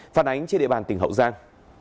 phát ánh trên địa bàn tỉnh hậu giang